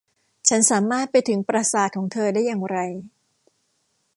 ฉันสามารถไปถึงปราสาทของเธอได้อย่างไร